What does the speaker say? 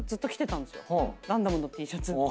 ガンダムのＴシャツ。